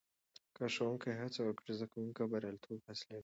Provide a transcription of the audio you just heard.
که ښوونکې هڅونه وکړي، زده کوونکي برياليتوب حاصلوي.